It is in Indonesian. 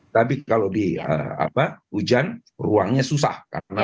tapi kalau di hujan ruangnya susah karena luas sekali kapalnya juga susah